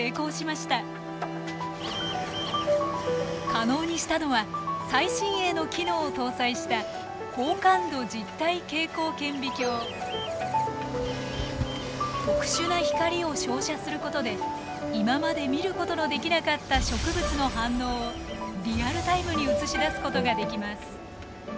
可能にしたのは最新鋭の機能を搭載した特殊な光を照射することで今まで見ることのできなかった植物の反応をリアルタイムに映し出すことができます。